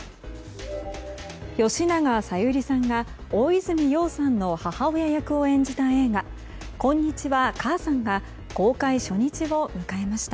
吉永小百合さんが大泉洋さんの母親役を演じた映画「こんにちは、母さん」が公開初日を迎えました。